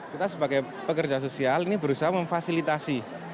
kita sebagai pekerja sosial ini berusaha memfasilitasi